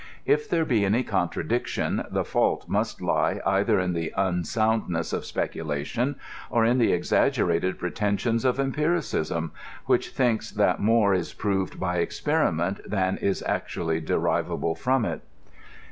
If there be any contradiction, the fault must He either in the unsoundness of speculation, or in the exaggerated pretensions of empiricism, which thinks that more is proved by experiment than is act ually derivable from it.